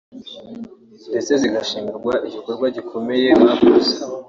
ndetse zigashimirwa igikorwa gikomeye bakoze